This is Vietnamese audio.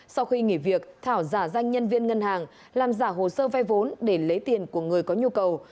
sau khi nghỉ việc thảo giả danh nhân viên ngân hàng làm giả hồ sơ vay vốn để lấy tiền của người có nhu cầu